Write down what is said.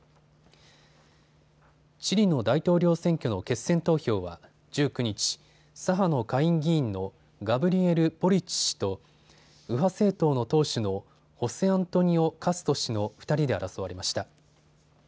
チリの大統領選挙の決選投票は１９日、左派の下院議員のガブリエル・ボリッチ氏と右派政党の党首のホセアントニオ・カスト氏の２人で争われました。